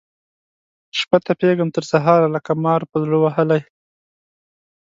شپه تپېږم تر سهاره لکه مار پر زړه وهلی